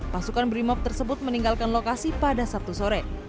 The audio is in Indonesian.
pasukan brimob tersebut meninggalkan lokasi pada sabtu sore